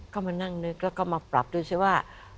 ก็มานั่งนึกแล้วก็มาปรับด้วยซิว่า